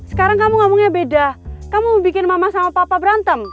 sekarang kamu ngomongnya beda kamu bikin mama sama papa berantem